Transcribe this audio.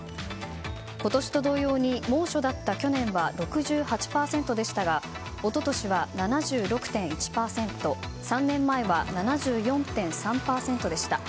今年と同様に猛暑だった去年は６８％でしたが一昨年は７６．１％３年前は７４．３％でした。